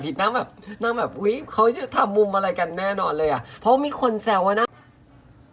เพราะมีคนแสวนะ